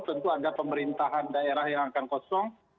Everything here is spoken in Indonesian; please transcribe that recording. tentu ada pemerintahan daerah yang akan kosong